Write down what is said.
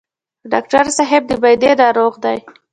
ډاکټر صاحب د معدې ناروغ دی.